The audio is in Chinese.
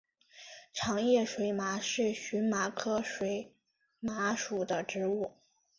长叶水麻是荨麻科水麻属的植物。